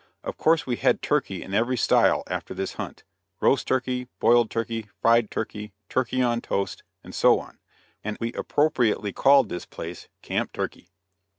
Of course, we had turkey in every style after this hunt roast turkey, boiled turkey, fried turkey, "turkey on toast," and so on; and we appropriately called this place Camp Turkey.